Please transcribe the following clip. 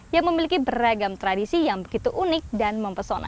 yang memiliki beragam tradisi yang begitu unik dan mempesona